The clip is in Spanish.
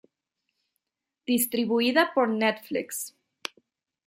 Distribuida por Netflix.